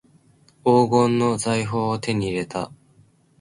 黄金の財宝を手に入れた